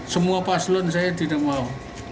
semua paslon saya tidak mau